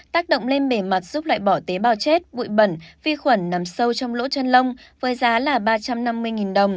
tác động lên bề mặt giúp loại bỏ tế bào chết bụi bẩn vi khuẩn nằm sâu trong lỗ chân lông với giá là ba trăm năm mươi đồng